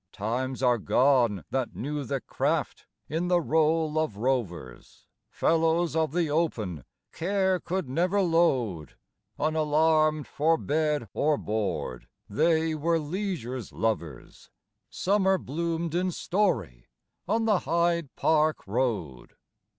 Times are gone that knew the craft in the role of rovers, Fellows of the open, care could never load: Unalarmed for bed or board, they were leisure's lovers, Summer bloomed in story on the Hyde Park Road.